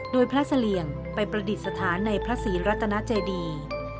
โดยพระเสลี่ยงไปประดิษฐานในพระศรีรัตนาเจดี